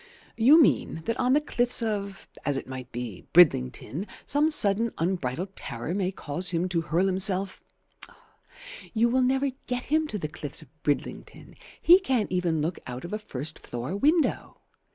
"You mean that on the cliffs of, as it might be, Bridlington some sudden unbridled terror may cause him to hurl himself " "You will never get him to the cliffs of Bridlington. He can't even look out of a first floor window.